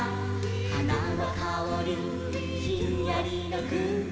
「はなのかおりひんやりのくうき」